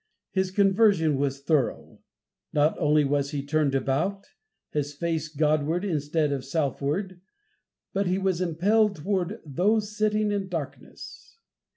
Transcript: His conversion was thorough. Not only was he turned about, his face God ward instead of self ward, but he was impelled toward "those sitting in darkness."